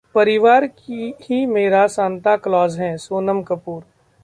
परिवार ही मेरा सांता क्लॉज है: सोनम कपूर